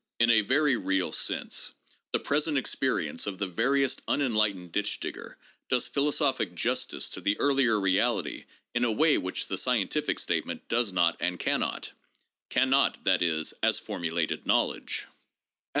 In a very real sense, the present experience of the veriest unenlightened ditch digger does philosophic justice to the earlier reality in a way which the scientific statement does not and can not : can not, that is, as formulated knowledge.